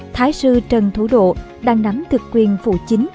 thái sư trần thủ độ đang nắm thực quyền phụ chính